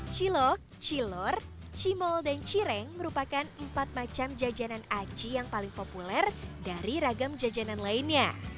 cilok cilor cimol dan cireng merupakan empat macam jajanan aci yang paling populer dari ragam jajanan lainnya